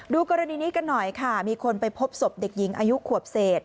กรณีนี้กันหน่อยค่ะมีคนไปพบศพเด็กหญิงอายุขวบเศษ